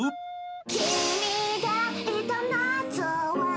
「君がいた夏は」